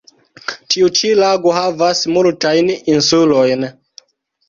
Tiu ĉi lago havas multajn insulojn.